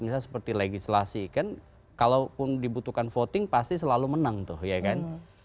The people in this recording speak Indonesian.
misalnya seperti legislasi kan kalaupun dibutuhkan voting pasti selalu menang tuh ya kan